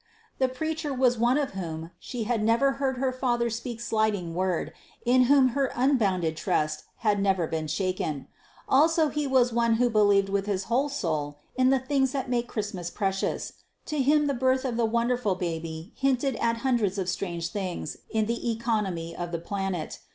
The preacher was one of whom she had never heard her father speak slighting word, in whom her unbounded trust had never been shaken. Also he was one who believed with his whole soul in the things that make Christmas precious. To him the birth of the wonderful baby hinted at hundreds of strange things in the economy of the planet.